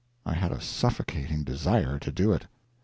I had a suffocating desire to do it.